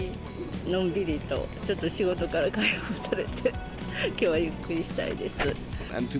のんびりと、ちょっと仕事から解放されて、きょうはゆっくりしたいです。